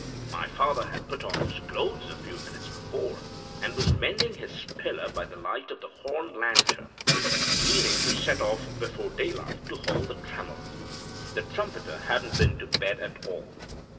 My father had put on his clothes a few minutes before, and was mending his spiller by the light of the horn lantern, meaning to set off before daylight to haul the trammel. The trumpeter hadn't been to bed at all.